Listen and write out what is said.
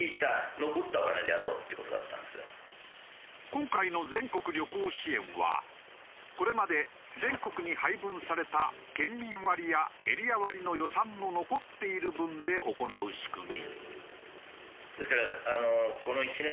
今回の全国旅行支援はこれまで全国に配分された県民割やエリア割の予算の残っている分で行う仕組み。